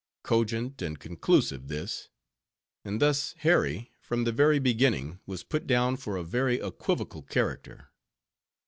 Cogent and conclusive this; and thus Harry, from the very beginning, was put down for a very equivocal character.